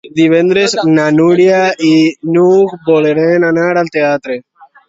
Divendres na Núria i n'Hug volen anar al teatre.